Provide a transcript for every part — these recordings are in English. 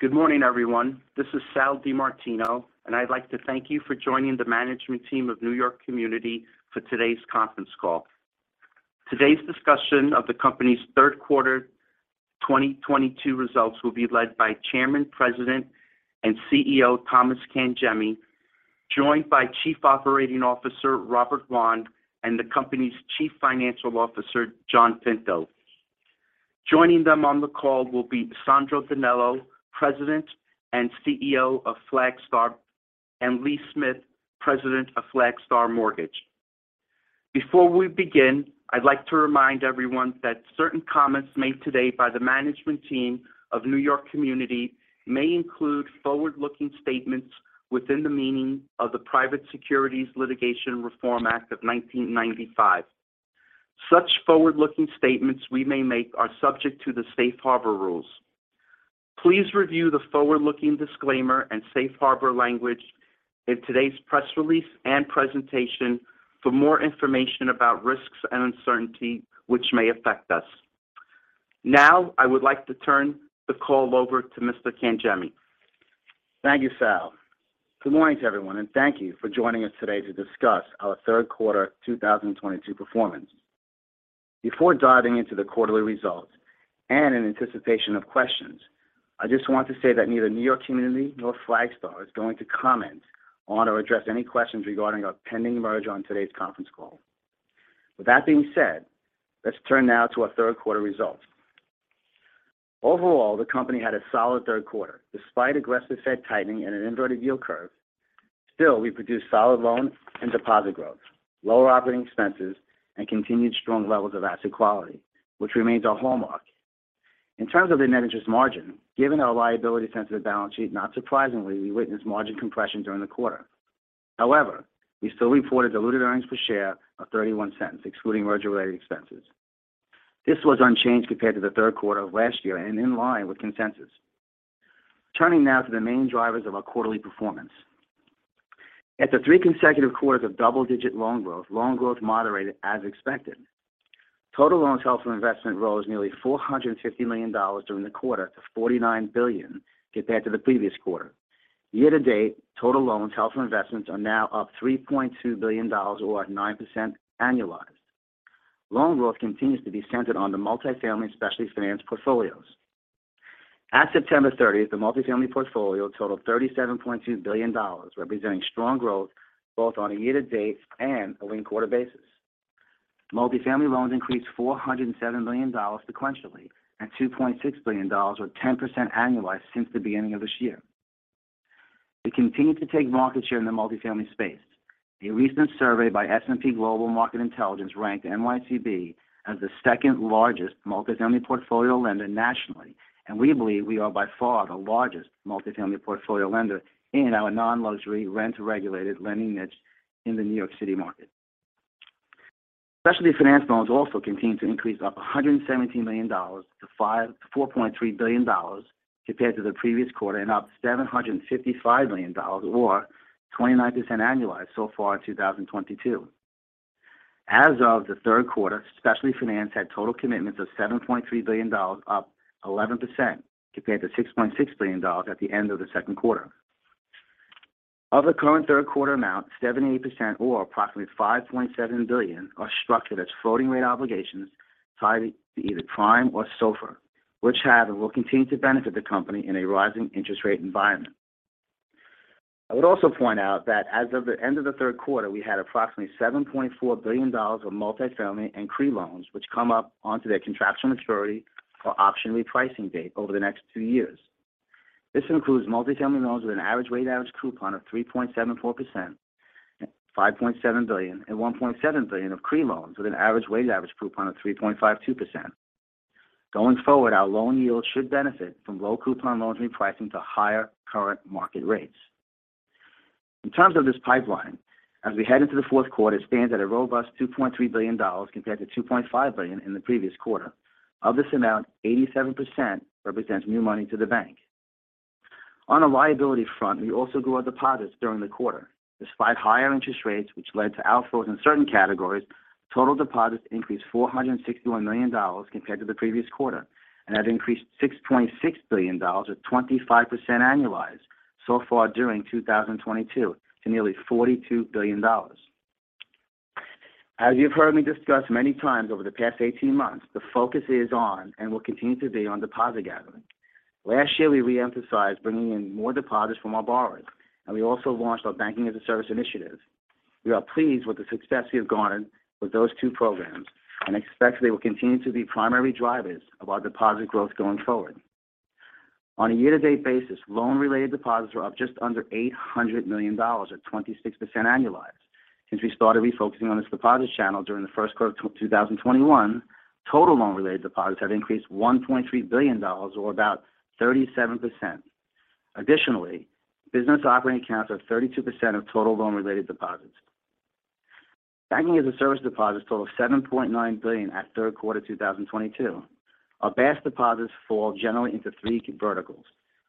Good morning, everyone. This is Salvatore DiMartino, and I'd like to thank you for joining the management team of New York Community for today's conference call. Today's discussion of the company's third quarter 2022 results will be led by Chairman, President, and CEO Thomas Cangemi, joined by Chief Operating Officer Robert Wann, and the company's Chief Financial Officer, John Pinto. Joining them on the call will be Alessandro DiNello, President and CEO of Flagstar, and Lee Smith, President of Flagstar Mortgage. Before we begin, I'd like to remind everyone that certain comments made today by the management team of New York Community may include forward-looking statements within the meaning of the Private Securities Litigation Reform Act of 1995. Such forward-looking statements we may make are subject to the safe harbor rules. Please review the forward-looking disclaimer and safe harbor language in today's press release and presentation for more information about risks and uncertainty which may affect us. Now, I would like to turn the call over to Mr. Cangemi. Thank you, Sal. Good morning to everyone, and thank you for joining us today to discuss our third quarter 2022 performance. Before diving into the quarterly results, and in anticipation of questions, I just want to say that neither New York Community nor Flagstar is going to comment on or address any questions regarding our pending merger on today's conference call. With that being said, let's turn now to our third quarter results. Overall, the company had a solid third quarter despite aggressive Fed tightening and an inverted yield curve. Still, we produced solid loan and deposit growth, lower operating expenses, and continued strong levels of asset quality, which remains our hallmark. In terms of the net interest margin, given our liability-sensitive balance sheet, not surprisingly, we witnessed margin compression during the quarter. However, we still reported diluted earnings per share of $0.31, excluding merger-related expenses. This was unchanged compared to the third quarter of last year and in line with consensus. Turning now to the main drivers of our quarterly performance. After three consecutive quarters of double-digit loan growth, loan growth moderated as expected. Total loans held for investment rose nearly $450 million during the quarter to $49 billion compared to the previous quarter. Year to date, total loans held for investments are now up $3.2 billion, or 9% annualized. Loan growth continues to be centered on the multifamily specialty finance portfolios. At September 30, the multifamily portfolio totaled $37.2 billion, representing strong growth both on a year to date and a linked quarter basis. Multifamily loans increased $407 million sequentially, and $2.6 billion or 10% annualized since the beginning of this year. We continue to take market share in the multifamily space. A recent survey by S&P Global Market Intelligence ranked NYCB as the second-largest multifamily portfolio lender nationally, and we believe we are by far the largest multifamily portfolio lender in our non-luxury, rent-regulated lending niche in the New York City market. Specialty finance loans also continue to increase up $117 million to $4.3 billion compared to the previous quarter and up $755 million or 29% annualized so far in 2022. As of the third quarter, specialty finance had total commitments of $7.3 billion, up 11% compared to $6.6 billion at the end of the second quarter. Of the current third quarter amount, 78% or approximately $5.7 billion are structured as floating-rate obligations tied to either prime or SOFR, which have and will continue to benefit the company in a rising interest rate environment. I would also point out that as of the end of the third quarter, we had approximately $7.4 billion of multifamily and CRE loans which come up onto their contractual maturity or option repricing date over the next two years. This includes multifamily loans with an average weighted average coupon of 3.74%, $5.7 billion, and $1.7 billion of CRE loans with an average weighted average coupon of 3.52%. Going forward, our loan yields should benefit from low coupon loans repricing to higher current market rates. In terms of this pipeline, as we head into the fourth quarter, it stands at a robust $2.3 billion compared to $2.5 billion in the previous quarter. Of this amount, 87% represents new money to the bank. On a liability front, we also grew our deposits during the quarter. Despite higher interest rates, which led to outflows in certain categories, total deposits increased $461 million compared to the previous quarter and have increased $6.6 billion or 25% annualized so far during 2022 to nearly $42 billion. As you've heard me discuss many times over the past eighteen months, the focus is on and will continue to be on deposit gathering. Last year, we reemphasized bringing in more deposits from our borrowers, and we also launched our banking-as-a-service initiative. We are pleased with the success we have garnered with those two programs and expect they will continue to be primary drivers of our deposit growth going forward. On a year-to-date basis, loan-related deposits are up just under $800 million or 26% annualized. Since we started refocusing on this deposits channel during the first quarter of two thousand and twenty-one, total loan-related deposits have increased $1.3 billion or about 37%. Additionally, business operating accounts are 32% of total loan-related deposits. Banking-as-a-service deposits total $7.9 billion at third quarter two thousand and twenty-two. Our BaaS deposits fall generally into three verticals.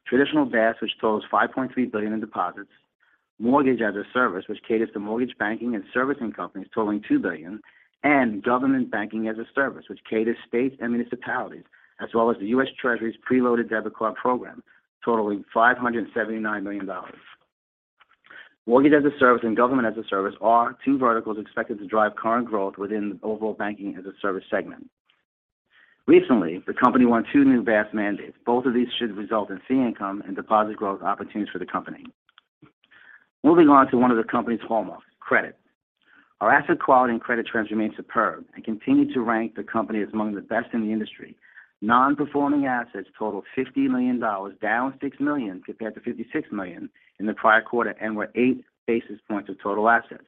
Traditional BaaS, which totals $5.3 billion in deposits. Mortgage as a Service, which caters to mortgage banking and servicing companies totaling $2 billion, and Government Banking as a Service, which caters to states and municipalities as well as the U.S. Treasury's preloaded debit card program, totaling $579 million. Mortgage as a Service and Government as a Service are two verticals expected to drive current growth within the overall Banking as a Service segment. Recently, the company won two new BaaS mandates. Both of these should result in fee income and deposit growth opportunities for the company. Moving on to one of the company's hallmarks, credit. Our asset quality and credit trends remain superb and continue to rank the company as among the best in the industry. Non-performing assets totaled $50 million, down $6 million compared to $56 million in the prior quarter, and were eight basis points of total assets.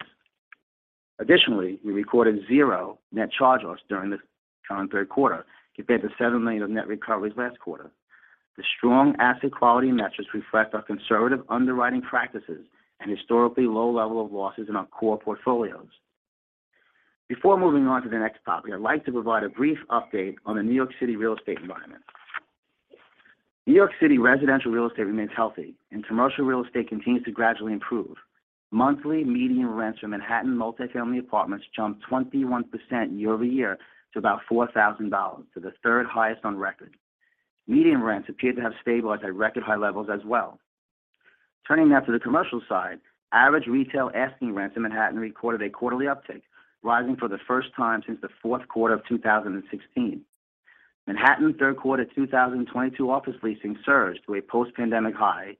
Additionally, we recorded 0 net charge-offs during the current third quarter compared to $7 million of net recoveries last quarter. The strong asset quality metrics reflect our conservative underwriting practices and historically low level of losses in our core portfolios. Before moving on to the next topic, I'd like to provide a brief update on the New York City real estate environment. New York City residential real estate remains healthy, and commercial real estate continues to gradually improve. Monthly median rents for Manhattan multifamily apartments jumped 21% year-over-year to about $4,000, to the third highest on record. Median rents appear to have stabilized at record high levels as well. Turning now to the commercial side. Average retail asking rents in Manhattan recorded a quarterly uptick, rising for the first time since the fourth quarter of 2016. Manhattan third quarter 2022 office leasing surged to a post-pandemic high.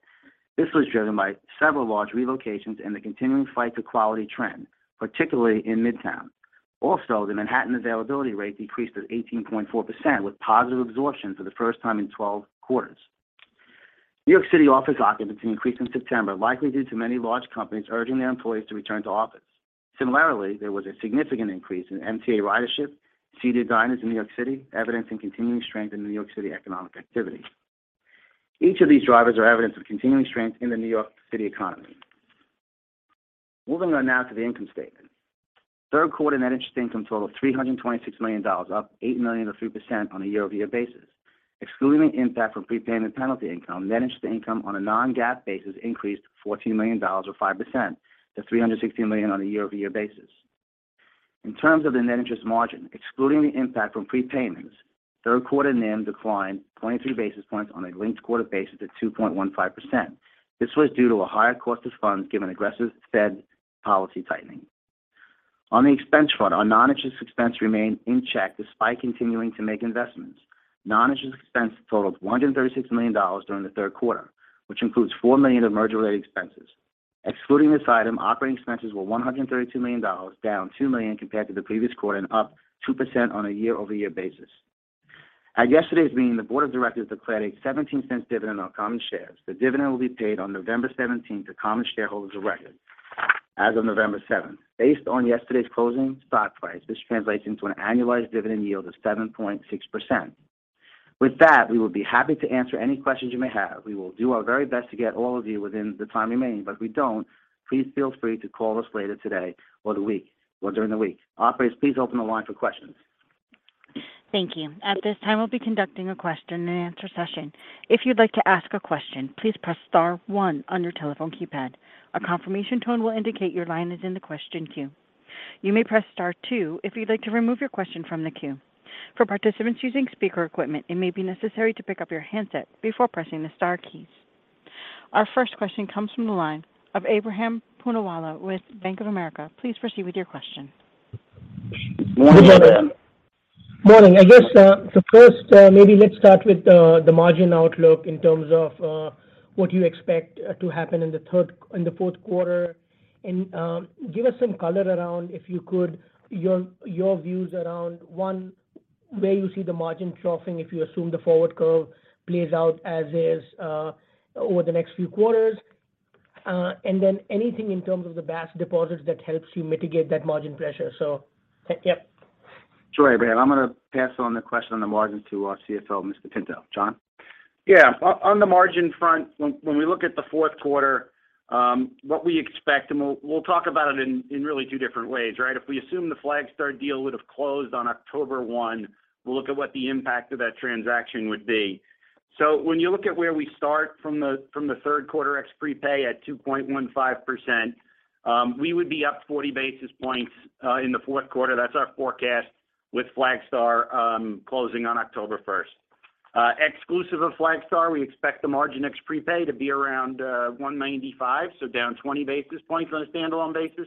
This was driven by several large relocations and the continuing flight to quality trend, particularly in Midtown. Also, the Manhattan availability rate decreased to 18.4% with positive absorption for the first time in 12 quarters. New York City office occupancy increased in September, likely due to many large companies urging their employees to return to office. Similarly, there was a significant increase in MTA ridership, seated diners in New York City, evidencing continuing strength in New York City economic activity. Each of these drivers are evidence of continuing strength in the New York City economy. Moving on now to the income statement. Third quarter net interest income total of $326 million, up $8 million or 3% on a year-over-year basis. Excluding the impact from prepayment penalty income, net interest income on a non-GAAP basis increased $14 million or 5% to $316 million on a year-over-year basis. In terms of the net interest margin, excluding the impact from prepayments, third quarter NIM declined 23 basis points on a linked-quarter basis to 2.15%. This was due to a higher cost of funds given aggressive Fed policy tightening. On the expense front, our non-interest expense remained in check despite continuing to make investments. Non-interest expense totaled $136 million during the third quarter, which includes $4 million of merger-related expenses. Excluding this item, operating expenses were $132 million, down $2 million compared to the previous quarter and up 2% on a year-over-year basis. At yesterday's meeting, the board of directors declared a $0.17 dividend on common shares. The dividend will be paid on November seventeenth to common shareholders of record as of November seventh. Based on yesterday's closing stock price, this translates into an annualized dividend yield of 7.6%. With that, we will be happy to answer any questions you may have. We will do our very best to get all of you within the time remaining, but if we don't, please feel free to call us later today or during the week. Operators, please open the line for questions. Thank you. At this time, we'll be conducting a question and answer session. If you'd like to ask a question, please press star one on your telephone keypad. A confirmation tone will indicate your line is in the question queue. You may press star two if you'd like to remove your question from the queue. For participants using speaker equipment, it may be necessary to pick up your handset before pressing the star keys. Our first question comes from the line of Ebrahim Poonawala with Bank of America. Please proceed with your question. Good morning. Morning. I guess, so first, maybe let's start with the margin outlook in terms of what you expect to happen in the fourth quarter. Give us some color around, if you could, your views around, one, where you see the margin troughing if you assume the forward curve plays out as is over the next few quarters. And then anything in terms of the BaaS deposits that helps you mitigate that margin pressure. Yeah. Sure, Ebrahim. I'm gonna pass on the question on the margin to our CFO, Mr. Pinto. John? Yeah. On the margin front, when we look at the fourth quarter, what we expect and we'll talk about it in really two different ways, right? If we assume the Flagstar deal would have closed on October 1, we'll look at what the impact of that transaction would be. When you look at where we start from the third quarter ex-prepay at 2.15%, we would be up 40 basis points in the fourth quarter. That's our forecast with Flagstar closing on October 1. Exclusive of Flagstar, we expect the margin ex-prepay to be around 1.95, so down 20 basis points on a standalone basis,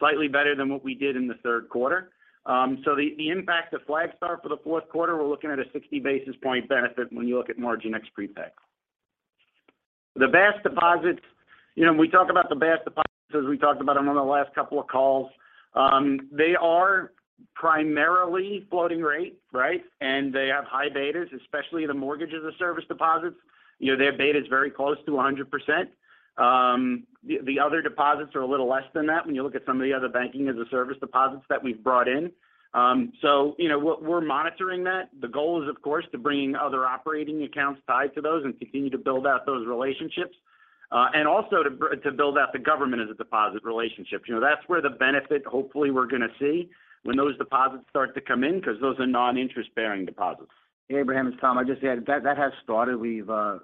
slightly better than what we did in the third quarter. The impact of Flagstar for the fourth quarter, we're looking at a 60 basis point benefit when you look at margin ex-prepay. The BaaS deposits, you know, when we talk about the BaaS deposits, as we talked about them on the last couple of calls, they are primarily floating rate, right? And they have high betas, especially the Mortgage as a Service deposits. You know, their beta is very close to 100%. The other deposits are a little less than that when you look at some of the other Banking as a Service deposits that we've brought in. You know, we're monitoring that. The goal is, of course, to bring other operating accounts tied to those and continue to build out those relationships and also to build out the Government Banking as a Service deposit relationship. You know, that's where the benefit, hopefully, we're gonna see when those deposits start to come in because those are non-interest-bearing deposits. Ebrahim, it's Thomas. I just said that has started. We were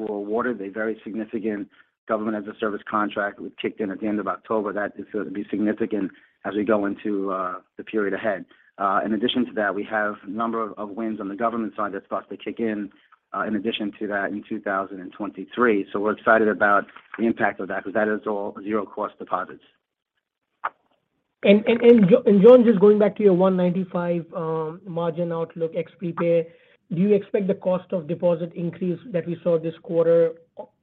awarded a very significant Government Banking as a Service contract, which kicked in at the end of October. That is gonna be significant as we go into the period ahead. In addition to that, we have a number of wins on the government side that's about to kick in in addition to that in 2023. We're excited about the impact of that because that is all zero-cost deposits. John, just going back to your 1.95% margin outlook ex-prepay. Do you expect the cost of deposit increase that we saw this quarter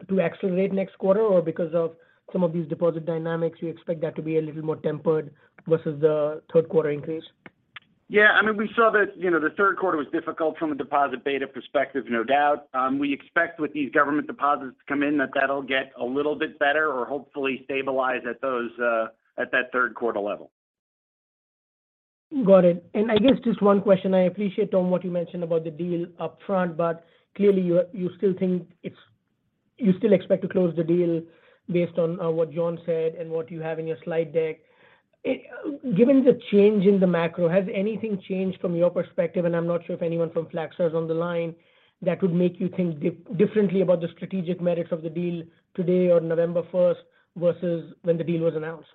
to accelerate next quarter? Or because of some of these deposit dynamics, you expect that to be a little more tempered versus the third quarter increase? Yeah. I mean, we saw that, you know, the third quarter was difficult from a deposit beta perspective, no doubt. We expect with these government deposits to come in, that that'll get a little bit better or hopefully stabilize at that third quarter level. I guess just one question. I appreciate, Tom, what you mentioned about the deal upfront, but clearly, you still expect to close the deal based on what John said and what you have in your slide deck. Given the change in the macro, has anything changed from your perspective, and I'm not sure if anyone from Flagstar is on the line, that would make you think differently about the strategic merits of the deal today or November first versus when the deal was announced?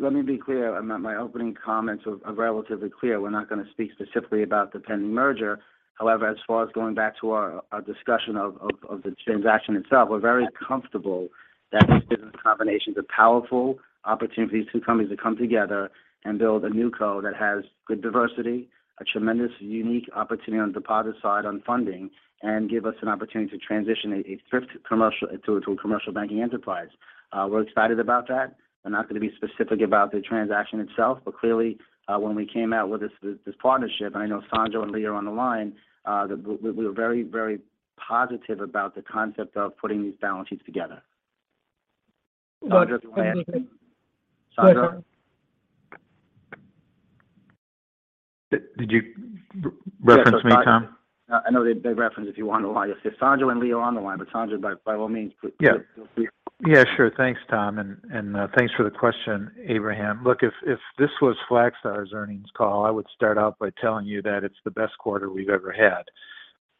Let me be clear, my opening comments are relatively clear. We're not going to speak specifically about the pending merger. However, as far as going back to our discussion of the transaction itself, we're very comfortable that this business combination is a powerful opportunity for two companies to come together and build a new co that has good diversity, a tremendous unique opportunity on the deposit side on funding, and give us an opportunity to transition a thrift to a commercial banking enterprise. We're excited about that. We're not going to be specific about the transaction itself. Clearly, when we came out with this partnership, I know Sandro and Leo are on the line, we were very positive about the concept of putting these balance sheets together. But- Sandro. Go ahead. Did you reference me, Tom? I know they referenced you on the line. I see Sandro and Leo on the line, but Sandro, by all means, please. Yeah. Yeah, sure. Thanks, Thomas Cangemi. Thanks for the question, Ebrahim Poonawala. Look, if this was Flagstar's earnings call, I would start out by telling you that it's the best quarter we've ever had.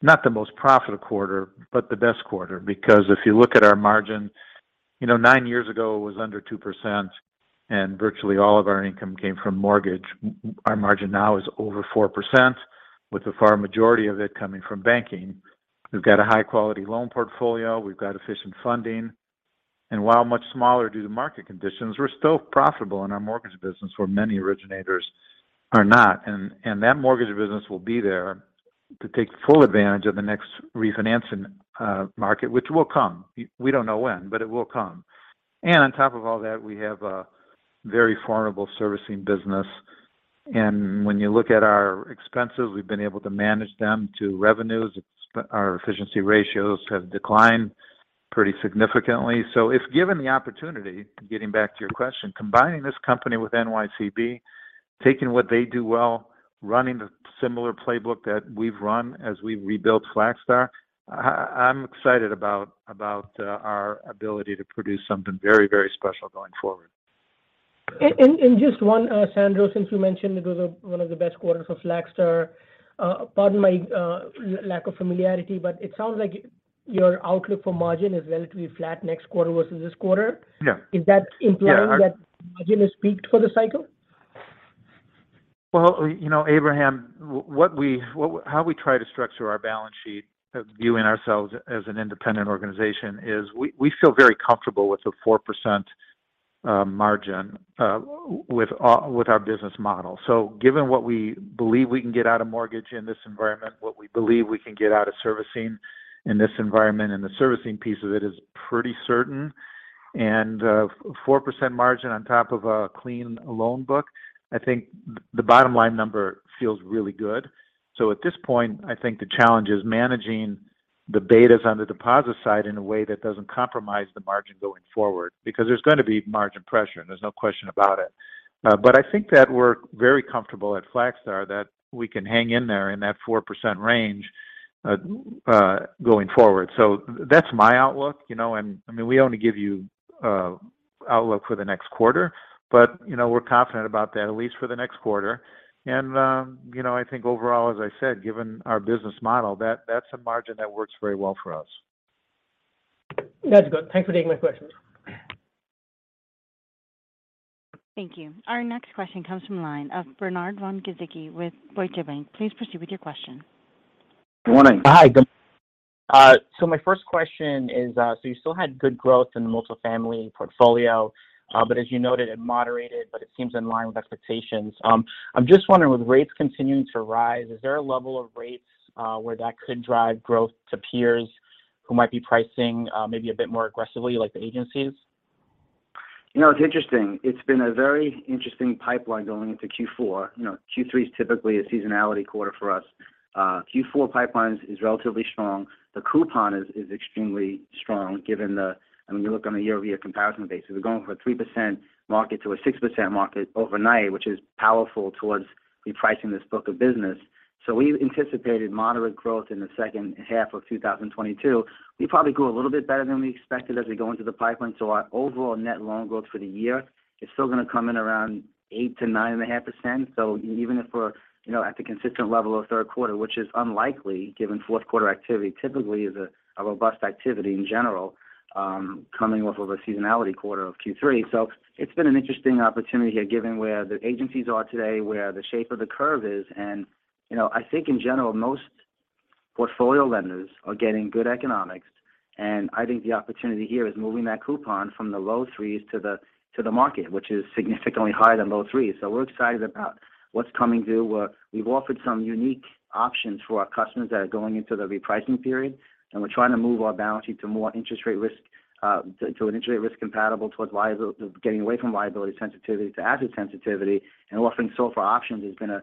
Not the most profitable quarter, but the best quarter. Because if you look at our margin, you know, nine years ago, it was under 2%, and virtually all of our income came from mortgage. Our margin now is over 4%, with the vast majority of it coming from banking. We've got a high-quality loan portfolio. We've got efficient funding. While much smaller due to market conditions, we're still profitable in our mortgage business where many originators are not. That mortgage business will be there to take full advantage of the next refinancing market, which will come. We don't know when. It will come. On top of all that, we have a very formidable servicing business. When you look at our expenses, we've been able to manage them to revenues. It's our efficiency ratios have declined pretty significantly. If given the opportunity, getting back to your question, combining this company with NYCB, taking what they do well, running a similar playbook that we've run as we rebuilt Flagstar, I'm excited about our ability to produce something very, very special going forward. Just one, Sandro, since you mentioned it was one of the best quarters for Flagstar. Pardon my lack of familiarity, but it sounds like your outlook for margin is relatively flat next quarter versus this quarter. Yeah. Is that implying that margin is peaked for the cycle? You know, Ebrahim, what we—how we try to structure our balance sheet, viewing ourselves as an independent organization is we feel very comfortable with the 4% margin with our business model. Given what we believe we can get out of mortgage in this environment, what we believe we can get out of servicing in this environment, and the servicing piece of it is pretty certain. 4% margin on top of a clean loan book, I think the bottom line number feels really good. At this point, I think the challenge is managing the betas on the deposit side in a way that doesn't compromise the margin going forward because there's going to be margin pressure, and there's no question about it. I think that we're very comfortable at Flagstar that we can hang in there in that 4% range, going forward. That's my outlook, you know. I mean, we only give you outlook for the next quarter, but, you know, we're confident about that, at least for the next quarter. You know, I think overall, as I said, given our business model, that's a margin that works very well for us. That's good. Thanks for taking my questions. Thank you. Our next question comes from line of Bernard von Gizycki with Deutsche Bank. Please proceed with your question. Good morning. Hi. My first question is, you still had good growth in the multifamily portfolio, but as you noted, it moderated, but it seems in line with expectations. I'm just wondering, with rates continuing to rise, is there a level of rates, where that could drive growth to peers who might be pricing, maybe a bit more aggressively like the agencies? You know, it's interesting. It's been a very interesting pipeline going into Q4. You know, Q3 is typically a seasonality quarter for us. Q4 pipeline is relatively strong. The coupon is extremely strong given the I mean, you look on a year-over-year comparison basis. We're going from a 3% market to a 6% market overnight, which is powerful towards repricing this book of business. We anticipated moderate growth in the second half of 2022. We probably grew a little bit better than we expected as we go into the pipeline. Our overall net loan growth for the year is still gonna come in around 8%-9.5%. Even if we're, you know, at the consistent level of third quarter, which is unlikely, given fourth quarter activity typically is a robust activity in general, coming off of a seasonality quarter of Q3. It's been an interesting opportunity here, given where the agencies are today, where the shape of the curve is. You know, I think in general, most portfolio lenders are getting good economics. I think the opportunity here is moving that coupon from the low threes to the market, which is significantly higher than low threes. We're excited about what's coming due. We've offered some unique options for our customers that are going into the repricing period, and we're trying to move our balance sheet to more interest rate risk to an interest rate risk compatible towards getting away from liability sensitivity to asset sensitivity. Offering SOFR options has been a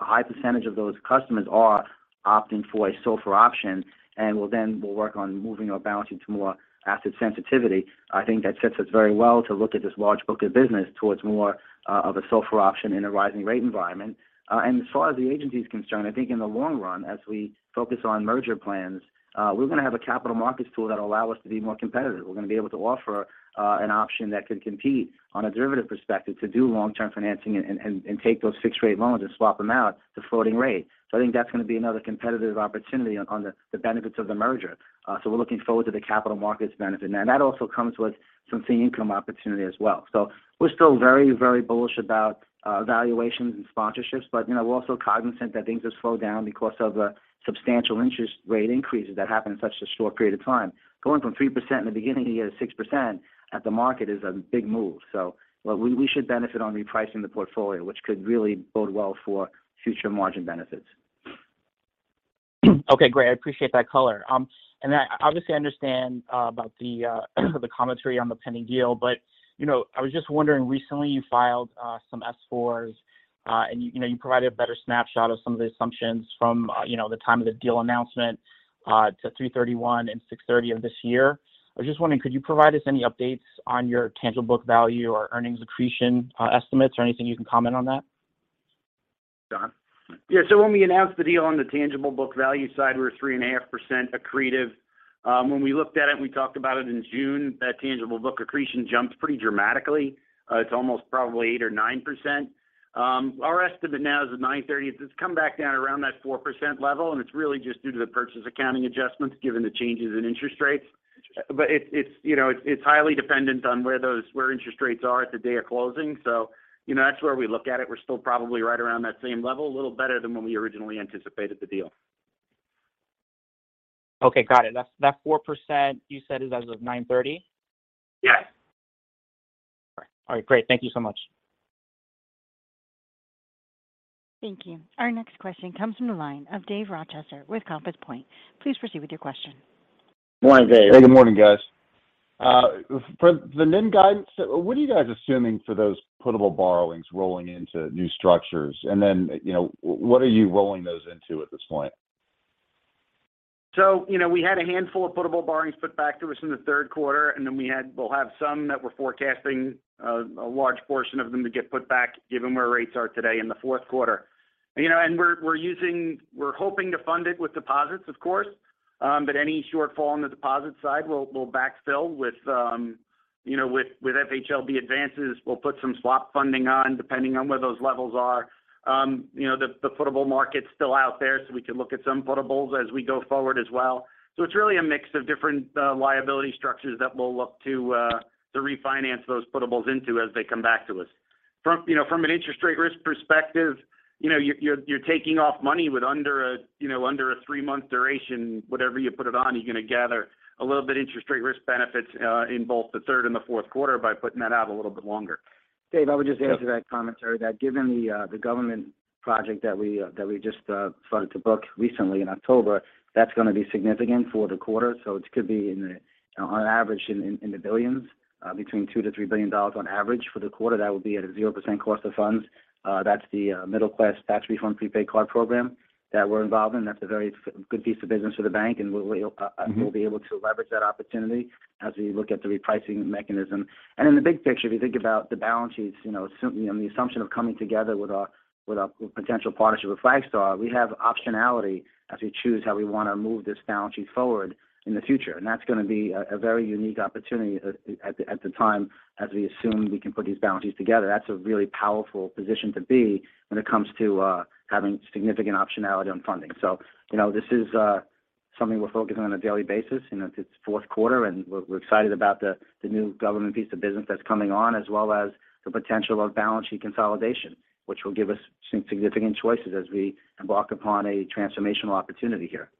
high percentage of those customers are opting for a SOFR option, and we'll then work on moving our balance sheet to more asset sensitivity. I think that sets us very well to look at this large book of business towards more of a SOFR option in a rising rate environment. As far as the agency is concerned, I think in the long run, as we focus on merger plans, we're gonna have a capital markets tool that'll allow us to be more competitive. We're gonna be able to offer an option that could compete on a derivative perspective to do long-term financing and take those fixed rate loans and swap them out to floating rate. I think that's gonna be another competitive opportunity on the benefits of the merger. We're looking forward to the capital markets benefit. Now, that also comes with some fee income opportunity as well. We're still very, very bullish about valuations and sponsorships. You know, we're also cognizant that things have slowed down because of the substantial interest rate increases that happened in such a short period of time. Going from 3% in the beginning of the year to 6% at the market is a big move. We should benefit on repricing the portfolio, which could really bode well for future margin benefits. Okay, great. I appreciate that color. I obviously understand about the commentary on the pending deal, but you know, I was just wondering recently you filed some S-4s, and you know, you provided a better snapshot of some of the assumptions from you know, the time of the deal announcement to 3/31 and 6/30 of this year. I was just wondering, could you provide us any updates on your tangible book value or earnings accretion estimates or anything you can comment on that? John. Yeah. When we announced the deal on the tangible book value side, we were 3.5% accretive. When we looked at it and we talked about it in June, that tangible book accretion jumped pretty dramatically. It's almost probably 8% or 9%. Our estimate now is at 930. It's come back down around that 4% level, and it's really just due to the purchase accounting adjustments given the changes in interest rates. It's, you know, highly dependent on where interest rates are at the day of closing. That's where we look at it. We're still probably right around that same level, a little better than when we originally anticipated the deal. Okay. Got it. That 4% you said is as of 9:30 A.M.? Yes. All right. All right, great. Thank you so much. Thank you. Our next question comes from the line of Dave Rochester with Compass Point. Please proceed with your question. Morning, Dave. Hey, good morning, guys. For the NIM guidance, what are you guys assuming for those puttable borrowings rolling into new structures? Then, you know, what are you rolling those into at this point? You know, we had a handful of puttable borrowings put back to us in the third quarter, and then we'll have some that we're forecasting a large portion of them to get put back given where rates are today in the fourth quarter. You know, we're hoping to fund it with deposits, of course. But any shortfall on the deposit side, we'll backfill with you know, with FHLB advances. We'll put some swap funding on depending on where those levels are. You know, the puttable market's still out there, so we can look at some puttables as we go forward as well. It's really a mix of different liability structures that we'll look to to refinance those puttables into as they come back to us. From an interest rate risk perspective, you know, you're taking on money with under a three-month duration. Whatever you put it on, you're gonna gather a little bit interest rate risk benefits in both the third and the fourth quarter by putting that out a little bit longer. Dave, I would just add to that commentary that given the government project that we just started to book recently in October, that's gonna be significant for the quarter. So it could be on average in the billions, between $2 billion-$3 billion on average for the quarter. That would be at a 0% cost of funds. That's the Middle Class Tax Refund prepaid card program that we're involved in. That's a very good piece of business for the bank, and we'll be able to leverage that opportunity as we look at the repricing mechanism. In the big picture, if you think about the balance sheets, you know, the assumption of coming together with our potential partnership with Flagstar, we have optionality as we choose how we wanna move this balance sheet forward in the future. That's gonna be a very unique opportunity at the time as we assume we can put these balance sheets together. That's a really powerful position to be when it comes to having significant optionality on funding. You know, this is something we're focusing on a daily basis. You know, it's fourth quarter, and we're excited about the new government piece of business that's coming on, as well as the potential of balance sheet consolidation, which will give us some significant choices as we embark upon a transformational opportunity here.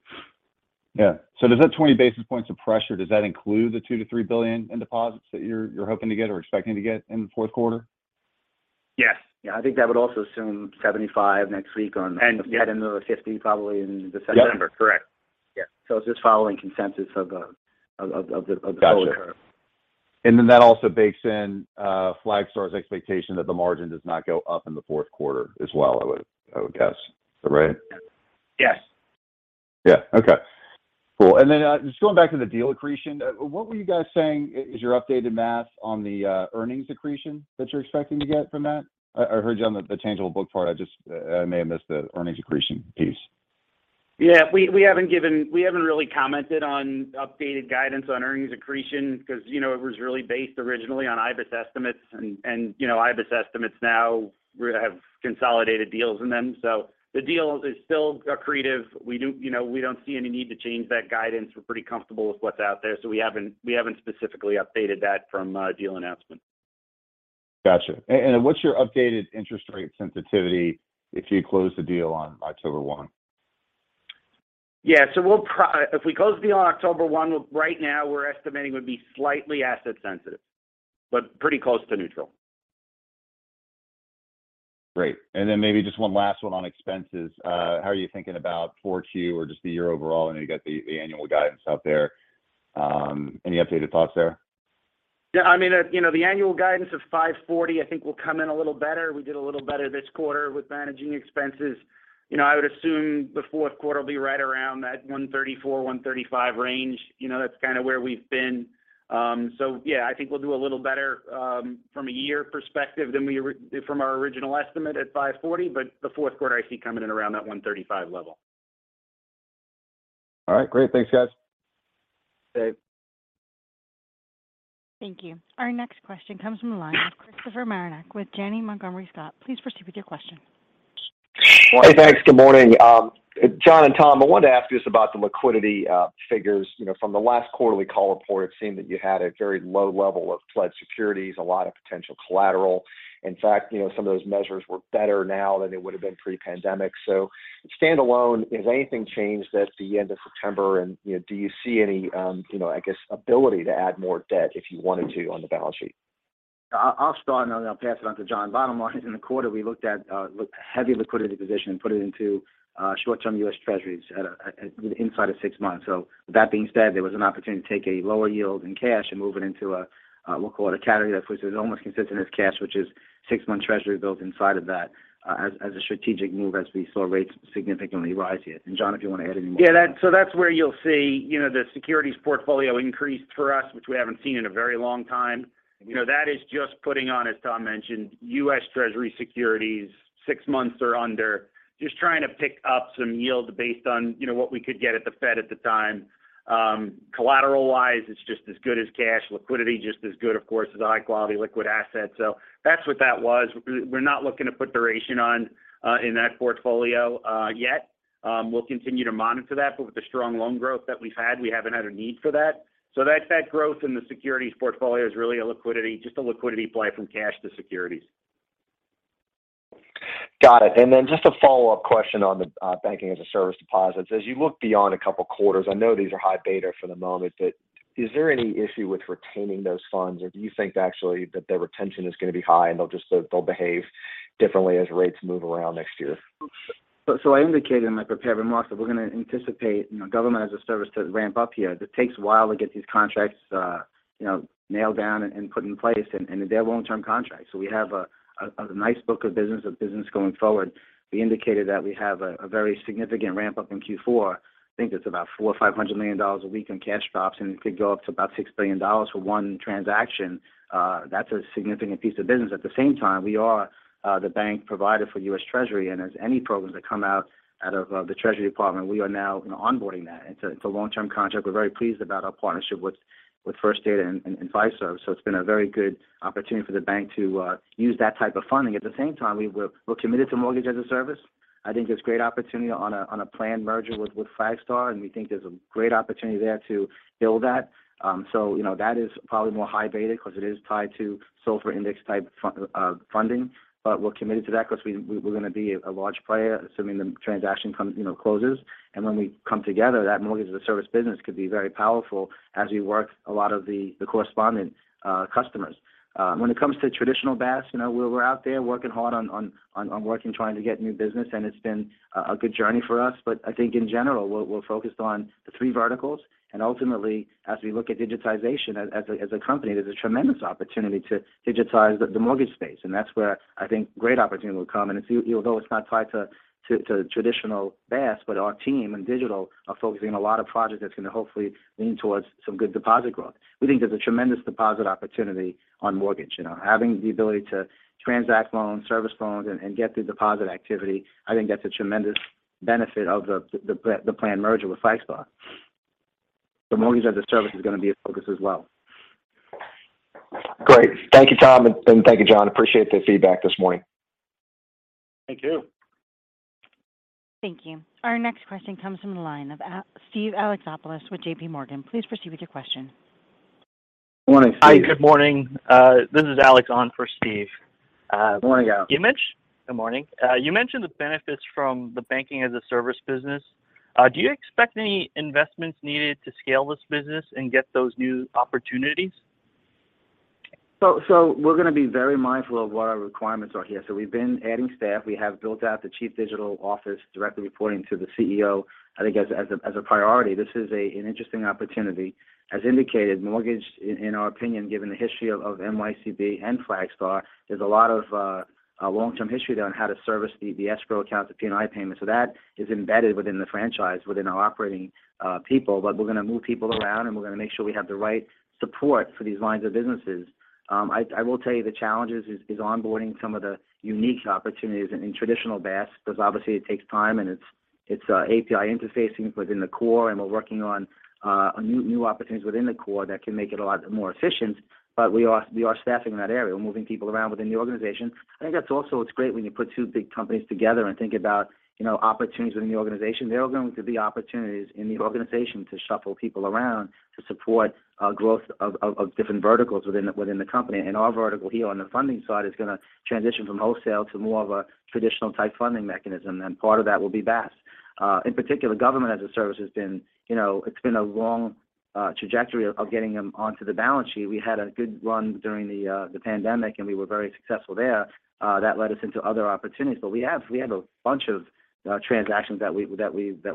Yeah. Does that 20 basis points of pressure, does that include the $2-3 billion in deposits that you're hoping to get or expecting to get in the fourth quarter? Yes. Yeah, I think that would also assume 75 next week on- Yeah. the $50 probably in December. Yeah. Correct. Yeah. It's just following consensus of the Got you. of the forward curve. That also bakes in Flagstar's expectation that the margin does not go up in the fourth quarter as well, I would guess. Is that right? Yes. Yeah. Okay. Cool. Just going back to the deal accretion, what were you guys saying is your updated math on the earnings accretion that you're expecting to get from that? I heard you on the tangible book part. I just may have missed the earnings accretion piece. Yeah. We haven't really commented on updated guidance on earnings accretion because, you know, it was really based originally on IBES estimates and, you know, IBES estimates now have consolidated deals in them. The deal is still accretive. We don't see any need to change that guidance. We're pretty comfortable with what's out there. We haven't specifically updated that from a deal announcement. Got you. What's your updated interest rate sensitivity if you close the deal on October one? If we close the deal on October one, right now we're estimating it would be slightly asset sensitive, but pretty close to neutral. Great. Maybe just one last one on expenses. How are you thinking about 4Q or just the year overall? I know you got the annual guidance out there. Any updated thoughts there? Yeah, I mean, you know, the annual guidance of $540 I think will come in a little better. We did a little better this quarter with managing expenses. You know, I would assume the fourth quarter will be right around that $134-$135 range. You know, that's kind of where we've been. So yeah, I think we'll do a little better, from a year perspective than we from our original estimate at $540. The fourth quarter I see coming in around that $135 level. All right, great. Thanks, guys. Okay. Thank you. Our next question comes from the line of Christopher Marinac with Janney Montgomery Scott. Please proceed with your question. Hey, thanks. Good morning. John and Tom, I wanted to ask you just about the liquidity, figures. You know, from the last quarterly call report, it seemed that you had a very low level of pledged securities, a lot of potential collateral. In fact, you know, some of those measures were better now than it would have been pre-pandemic. Standalone, has anything changed at the end of September? You know, do you see any, you know, I guess, ability to add more debt if you wanted to on the balance sheet? I'll start and then I'll pass it on to John. Bottom line is in the quarter we looked at a heavy liquidity position and put it into short-term U.S. Treasuries inside of six months. That being said, there was an opportunity to take a lower yield in cash and move it into a we'll call it a category that's which is almost consistent as cash, which is six-month Treasury bill inside of that as a strategic move as we saw rates significantly rise here. John, if you want to add anything. Yeah. That's where you'll see, you know, the securities portfolio increase for us, which we haven't seen in a very long time. You know, that is just putting on, as Tom mentioned, U.S. Treasury securities six months or under, just trying to pick up some yields based on, you know, what we could get at the Fed at the time. Collateral-wise, it's just as good as cash. Liquidity, just as good, of course, as high-quality liquid assets. That's what that was. We're not looking to put duration on in that portfolio yet. We'll continue to monitor that, but with the strong loan growth that we've had, we haven't had a need for that. That the growth in the securities portfolio is really a liquidity, just a liquidity play from cash to securities. Got it. Just a follow-up question on the banking as a service deposits. As you look beyond a couple quarters, I know these are high beta for the moment, but is there any issue with retaining those funds or do you think actually that their retention is going to be high and they'll just behave differently as rates move around next year? I indicated in my prepared remarks that we're going to anticipate, you know, Government Banking as a Service to ramp up here. It takes a while to get these contracts, you know, nailed down and put in place, and they're long-term contracts. We have a nice book of business going forward. We indicated that we have a very significant ramp-up in Q4. I think it's about $400 million-$500 million a week in cash drops, and it could go up to about $6 billion for one transaction. That's a significant piece of business. At the same time, we are the bank provider for U.S. Treasury, and as any programs that come out of the Treasury Department, we are now, you know, onboarding that. It's a long-term contract. We're very pleased about our partnership with First Data and Fiserv. It's been a very good opportunity for the bank to use that type of funding. At the same time, we're committed to Mortgage as a Service. I think there's great opportunity on a planned merger with Flagstar, and we think there's a great opportunity there to build that. You know, that is probably more high beta because it is tied to SOFR index type funding. But we're committed to that because we're gonna be a large player, assuming the transaction comes, you know, closes. When we come together, that Mortgage as a Service business could be very powerful as we work a lot of the correspondent customers. When it comes to traditional BaaS, you know, we're out there working hard, trying to get new business, and it's been a good journey for us. But I think in general, we're focused on the three verticals. Ultimately, as we look at digitization as a company, there's a tremendous opportunity to digitize the mortgage space. That's where I think great opportunity will come. Even though it's not tied to traditional BaaS, our team in digital are focusing on a lot of projects that's going to hopefully lean towards some good deposit growth. We think there's a tremendous deposit opportunity on mortgage. You know, having the ability to transact loans, service loans, and get the deposit activity, I think that's a tremendous benefit of the planned merger with Flagstar. The Mortgage as a Service is going to be a focus as well. Great. Thank you, Tom, and thank you, John. Appreciate the feedback this morning. Thank you. Thank you. Our next question comes from the line of Steven Alexopoulos with JP Morgan. Please proceed with your question. Morning, Steve. Hi, good morning. This is Alex on for Steve. Morning, Alex. Image? Good morning. You mentioned the benefits from the banking as a service business. Do you expect any investments needed to scale this business and get those new opportunities? We're gonna be very mindful of what our requirements are here. We've been adding staff. We have built out the chief digital office directly reporting to the CEO, I think as a priority. This is an interesting opportunity. As indicated, mortgage in our opinion, given the history of NYCB and Flagstar, there's a lot of long-term history there on how to service the escrow accounts, the P&I payments. That is embedded within the franchise, within our operating people. We're gonna move people around, and we're gonna make sure we have the right support for these lines of businesses. I will tell you the challenges is onboarding some of the unique opportunities in traditional BaaS because obviously it takes time and it's API interfacing within the core, and we're working on a new opportunities within the core that can make it a lot more efficient. But we are staffing that area. We're moving people around within the organization. I think that's also what's great when you put two big companies together and think about, you know, opportunities within the organization. There are going to be opportunities in the organization to shuffle people around to support growth of different verticals within the company. Our vertical here on the funding side is gonna transition from wholesale to more of a traditional type funding mechanism, and part of that will be BaaS. In particular, Government Banking as a Service has been, you know, it's been a long trajectory of getting them onto the balance sheet. We had a good run during the pandemic, and we were very successful there. That led us into other opportunities. We have a bunch of transactions that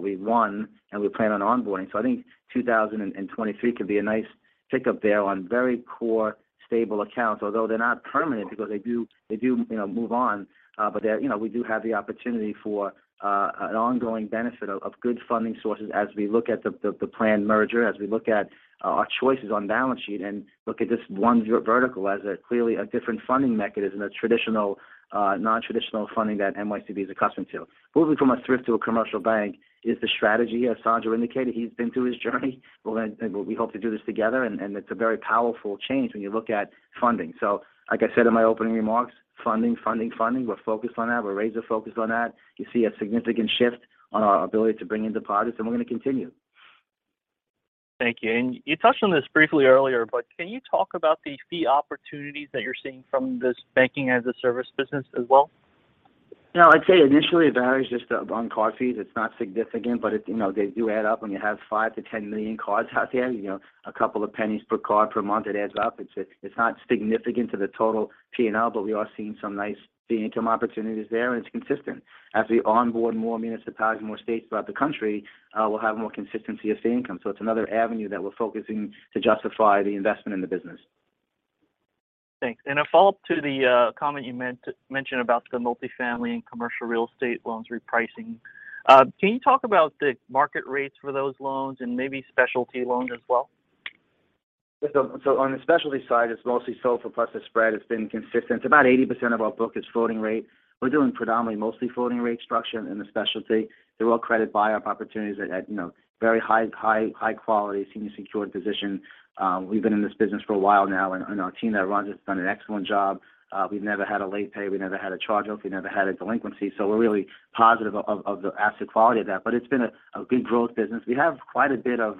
we won and we plan on onboarding. I think 2023 could be a nice tick-up there on very core stable accounts, although they're not permanent because they do, you know, move on. You know, we do have the opportunity for an ongoing benefit of good funding sources as we look at the planned merger, as we look at our choices on balance sheet and look at this one vertical as a clearly different funding mechanism, a traditional nontraditional funding that NYCB is accustomed to. Moving from a thrift to a commercial bank is the strategy. As Sandro indicated, he's been through his journey. We hope to do this together, and it's a very powerful change when you look at funding. Like I said in my opening remarks, funding, funding. We're focused on that. We're razor-focused on that. You see a significant shift on our ability to bring in deposits, and we're gonna continue. Thank you. You touched on this briefly earlier, but can you talk about the fee opportunities that you're seeing from this Banking-as-a-Service business as well? No, I'd say initially it varies just on card fees. It's not significant, but it, you know, they do add up. When you have 5-10 million cards out there, you know, a couple of pennies per card per month, it adds up. It's not significant to the total P&L, but we are seeing some nice fee income opportunities there, and it's consistent. As we onboard more municipalities, more states throughout the country, we'll have more consistency of fee income. It's another avenue that we're focusing to justify the investment in the business. Thanks. A follow-up to the comment you mentioned about the multifamily and commercial real estate loans repricing. Can you talk about the market rates for those loans and maybe specialty loans as well? On the specialty side, it's mostly SOFR plus the spread. It's been consistent. About 80% of our book is floating rate. We're doing predominantly mostly floating rate structure in the specialty. They're all credit buy-up opportunities at you know very high quality senior secured position. We've been in this business for a while now, and our team that runs it has done an excellent job. We've never had a late pay, we never had a charge-off, we never had a delinquency, so we're really positive of the asset quality of that. It's been a good growth business. We have quite a bit of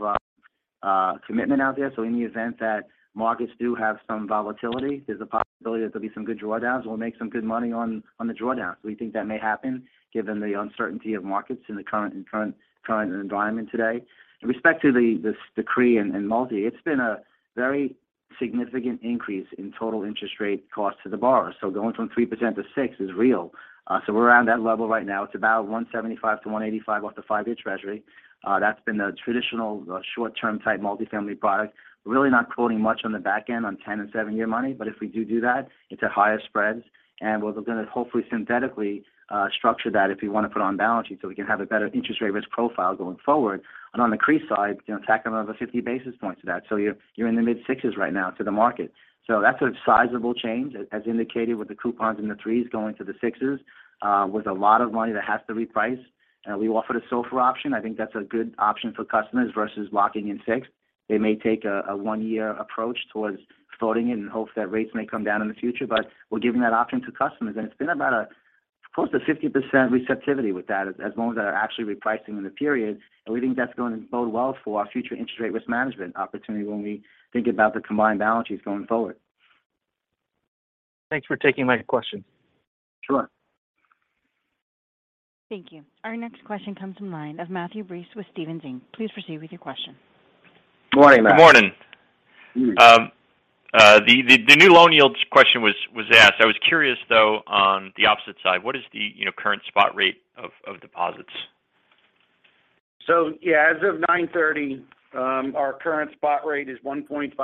commitment out there, so in the event that markets do have some volatility, there's a possibility that there'll be some good drawdowns. We'll make some good money on the drawdowns. We think that may happen given the uncertainty of markets in the current environment today. With respect to the CRE and multi, it's been a very significant increase in total interest rate cost to the borrower. Going from 3% to 6% is real. We're around that level right now. It's about 175-185 off the five-year treasury. That's been the traditional short-term type multifamily product. Really not quoting much on the back end on 10 and seven-year money, but if we do that, it's at higher spreads. We're gonna hopefully synthetically structure that if we wanna put on balance sheet so we can have a better interest rate risk profile going forward. On the CRE side, you know, tack another 50 basis points to that. You're in the mid-sixes right now to the market. That's a sizable change as indicated with the coupons in the threes going to the sixes, with a lot of money that has to reprice. We offered a SOFR option. I think that's a good option for customers versus locking in six. It may take a one-year approach towards floating it in hopes that rates may come down in the future, but we're giving that option to customers, and it's been about a close to 50% receptivity with that as loans that are actually repricing in the period. We think that's going to bode well for our future interest rate risk management opportunity when we think about the combined balance sheets going forward. Thanks for taking my question. Sure. Thank you. Our next question comes from the line of Matthew Breese with Stephens Inc. Please proceed with your question. Morning, Matt. Morning. The new loan yields question was asked. I was curious, though, on the opposite side, what is the current spot rate of deposits? Yeah, as of 9:30 A.M., our current spot rate is 1.59%.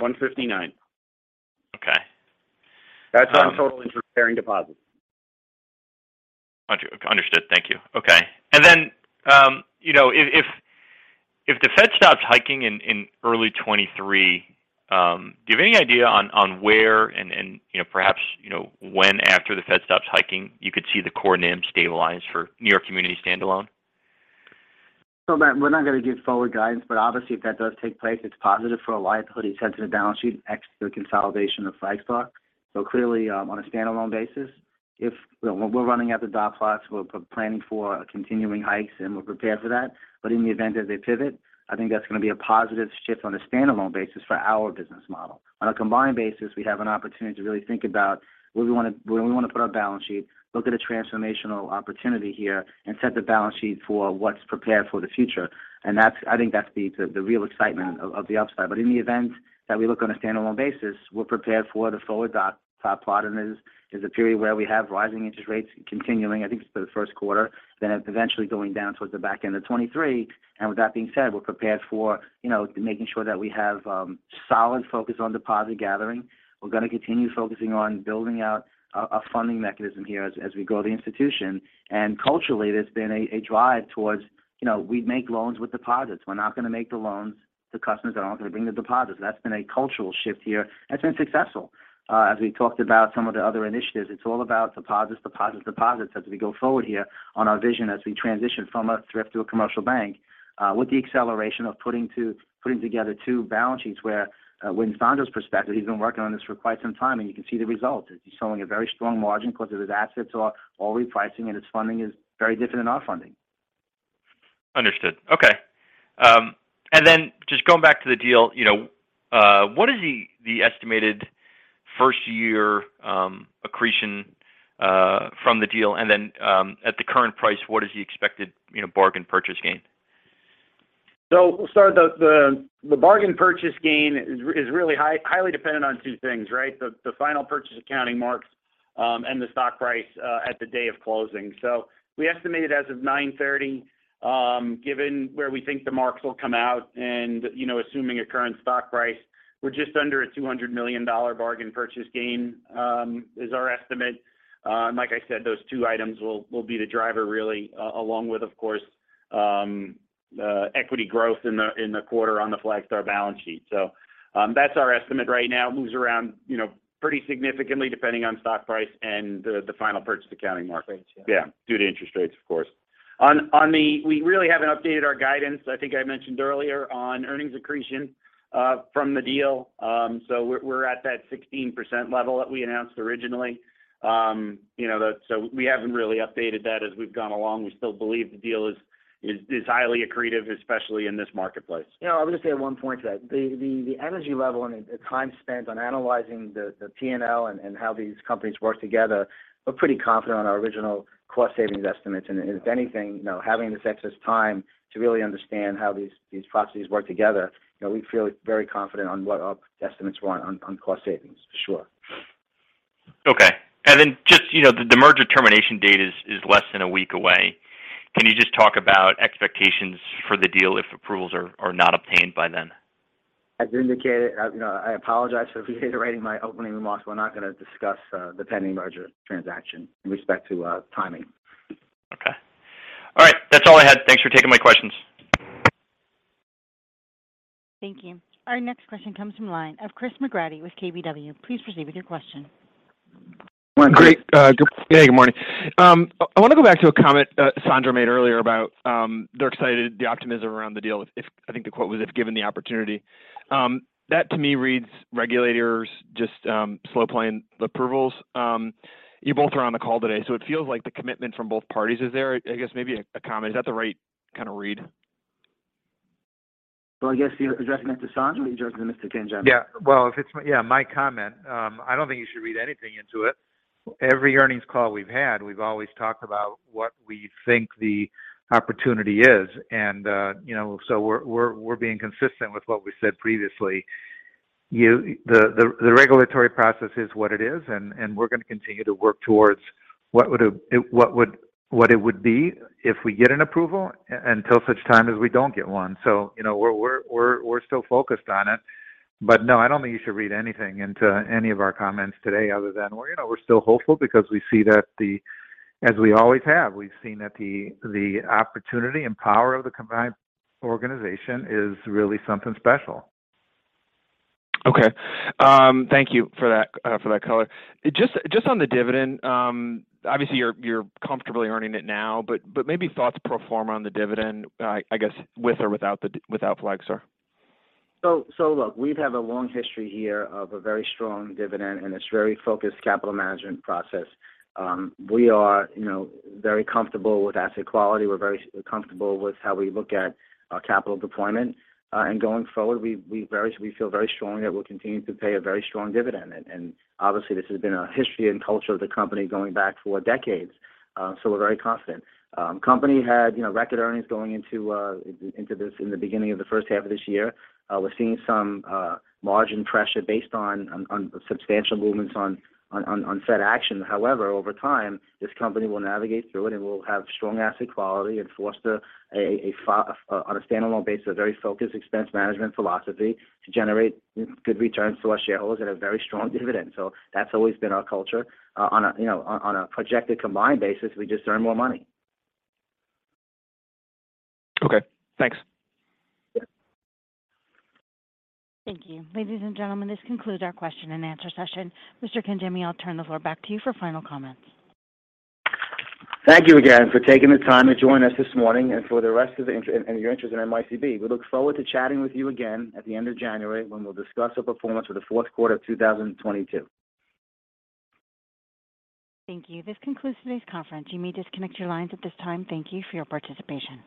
159. Okay. That's on total interest-bearing deposits. Understood. Thank you. Okay. You know, if the Fed stops hiking in early 2023, do you have any idea on where and, you know, perhaps, when after the Fed stops hiking, you could see the core NIM stabilize for New York Community standalone? Matt, we're not gonna give forward guidance, but obviously if that does take place, it's positive for a liability-sensitive balance sheet ex the consolidation of Flagstar. Clearly, on a standalone basis. If we're running at the dot plots, we're planning for continuing hikes, and we're prepared for that. In the event as they pivot, I think that's going to be a positive shift on a standalone basis for our business model. On a combined basis, we have an opportunity to really think about where we want to put our balance sheet, look at a transformational opportunity here, and set the balance sheet for what's prepared for the future. That's I think that's the real excitement of the upside. In the event that we look on a standalone basis, we're prepared for the forward dot plot. It is a period where we have rising interest rates continuing. I think it is for the first quarter, then eventually going down towards the back end of 2023. With that being said, we're prepared for, you know, making sure that we have solid focus on deposit gathering. We're going to continue focusing on building out a funding mechanism here as we grow the institution. Culturally, there's been a drive towards, you know, we make loans with deposits. We're not going to make the loans to customers that aren't going to bring the deposits. That's been a cultural shift here, that's been successful. As we talked about some of the other initiatives, it's all about deposits as we go forward here on our vision, as we transition from a thrift to a commercial bank, with the acceleration of putting together two balance sheets where, from Sandro's perspective, he's been working on this for quite some time, and you can see the results. He's showing a very strong margin because of his assets are all repricing, and his funding is very different than our funding. Understood. Okay. Just going back to the deal, you know, what is the estimated first year accretion from the deal? At the current price, what is the expected, you know, bargain purchase gain? Sorry. The bargain purchase gain is really highly dependent on two things, right? The final purchase accounting marks and the stock price at the day of closing. We estimated as of 9:30, given where we think the marks will come out and assuming a current stock price. We're just under $200 million bargain purchase gain is our estimate. Like I said, those two items will be the driver really, along with, of course, equity growth in the quarter on the Flagstar balance sheet. That's our estimate right now. It moves around, you know, pretty significantly depending on stock price and the final purchase accounting mark. Rate, yeah. Yeah, due to interest rates, of course. We really haven't updated our guidance, I think I mentioned earlier, on earnings accretion from the deal. We're at that 16% level that we announced originally. You know, we haven't really updated that as we've gone along. We still believe the deal is highly accretive, especially in this marketplace. You know, I would just add one point to that. The energy level and the time spent on analyzing the P&L and how these companies work together, we're pretty confident on our original cost savings estimates. If anything, you know, having this excess time to really understand how these proxies work together, you know, we feel very confident on what our estimates were on cost savings. Sure. Okay. just, you know, the merger termination date is less than a week away. Can you just talk about expectations for the deal if approvals are not obtained by then? As indicated, you know, I apologize for reiterating my opening remarks. We're not going to discuss the pending merger transaction in respect to timing. Okay. All right. That's all I had. Thanks for taking my questions. Thank you. Our next question comes from line of Chris McGratty with KBW. Please proceed with your question. Great. Yeah, good morning. I want to go back to a comment Sandro made earlier about they're excited the optimism around the deal if I think the quote was, if given the opportunity. That to me reads regulators just slow playing the approvals. You both are on the call today, so it feels like the commitment from both parties is there. I guess maybe a comment. Is that the right kind of read? I guess you're addressing that to Sandro or you're addressing it to Mr. Cangemi? Yeah. Well, my comment. I don't think you should read anything into it. Every earnings call we've had, we've always talked about what we think the opportunity is. You know, we're being consistent with what we said previously. The regulatory process is what it is, and we're going to continue to work towards what it would be if we get an approval until such time as we don't get one. You know, we're still focused on it. No, I don't think you should read anything into any of our comments today other than we're, you know, we're still hopeful because we see that as we always have. We've seen that the opportunity and power of the combined organization is really something special. Okay. Thank you for that, for that color. Just on the dividend, obviously you're comfortably earning it now, but maybe thoughts pro forma on the dividend, I guess, with or without Flagstar. Look, we have a long history here of a very strong dividend, and it's a very focused capital management process. We are very comfortable with asset quality. We're very comfortable with how we look at capital deployment. Going forward, we feel very strongly that we'll continue to pay a very strong dividend. Obviously this has been the history and culture of the company going back for decades. We're very confident. Company had record earnings going into this, in the beginning of the first half of this year. We're seeing some margin pressure based on substantial movements on Fed action. However, over time, this company will navigate through it, and we'll have strong asset quality and foster on a standalone basis, a very focused expense management philosophy to generate good returns to our shareholders at a very strong dividend. That's always been our culture. You know, on a projected combined basis, we just earn more money. Okay, thanks. Thank you. Ladies and gentlemen, this concludes our question and answer session. Mr. Cangemi, I'll turn the floor back to you for final comments. Thank you again for taking the time to join us this morning and for your interest in NYCB. We look forward to chatting with you again at the end of January when we'll discuss our performance for the fourth quarter of 2022. Thank you. This concludes today's conference. You may disconnect your lines at this time. Thank you for your participation.